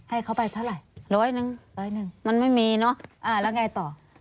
ให้เขาไปเท่าไหร่ร้อยหนึ่งร้อยหนึ่งมันไม่มีเนอะอ่าแล้วไงต่อ